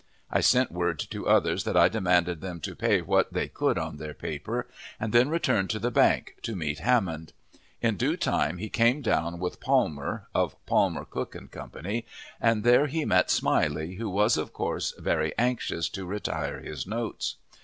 I sent word to others that I demanded them to pay what they could on their paper, and then returned to the bank, to meet Hammond. In due time, he came down with Palmer (of Palmer, Cook & Co.), and there he met Smiley, who was, of course, very anxious to retire his notes.